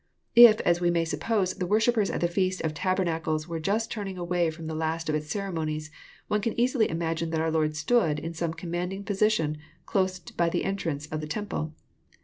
If, as we may suppose, the worshippers at the feast of tabernacles were Just turning away from the last of its ceremonies, one can easily imagine that our Lord stood " in some commanding position close by the entrance of the temple.